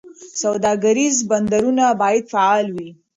سوداګریز بندرونه باید فعال وي.